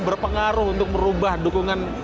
bakal ke kabaret